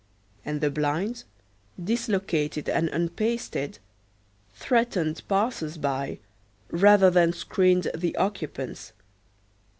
And the blinds, dislocated and unpasted, threatened passers by rather than screened the occupants.